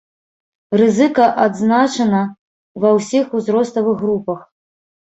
Рызыка адзначана ва ўсіх узроставых групах.